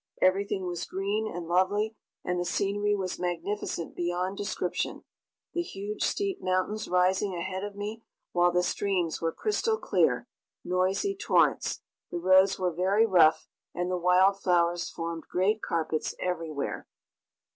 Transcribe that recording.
Everything was green and lovely, and the scenery was magnificent beyond description the huge steep mountains rising ahead of me, while the streams were crystal clear, noisy torrents. The roads were very rough, and the wild flowers formed great carpets everywhere.